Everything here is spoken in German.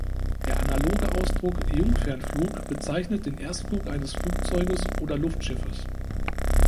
Der analoge Ausdruck "Jungfernflug" bezeichnet den Erstflug eines Flugzeuges oder Luftschiffes.